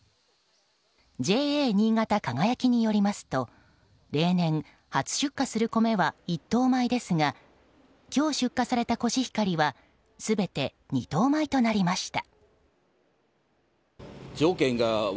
ＪＡ新潟かがやきによりますと例年、初出荷する米は１等米ですが今日、出荷されたコシヒカリは全て２等米となりました。